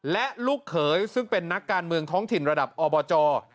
และลูกเขยซึ่งเป็นนักการเมืองท้องถิ่นระดับอบจ